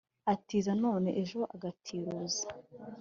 atiza none, ejo agatiruza;